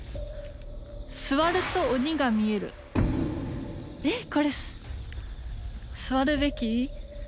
「座ると鬼が見える」えっこれ座るべき？